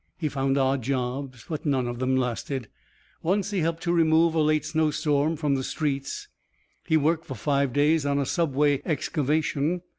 He found odd jobs, but none of them lasted. Once he helped to remove a late snowstorm from the streets. He worked for five days on a subway excavation.